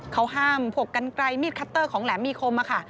เขาห้ามพวกกันไกลมีดคัตเตอร์ของแหลมมีคมค่ะ